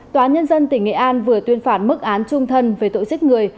tòa án nhân dân tỉnh nghệ an vừa tuyên phản mức án trung thân về tội giết người